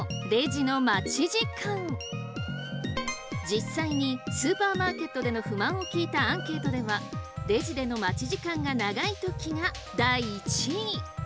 実際にスーパーマーケットでの不満を聞いたアンケートでは「レジでの待ち時間が長いとき」が第１位！